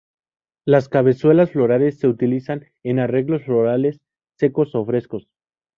Las cabezuelas florales se utilizan en arreglos florales secos o frescos.